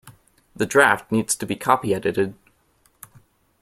The draft needs to be copy edited